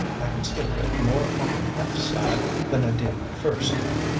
"I consider it more on the off side than I did at first.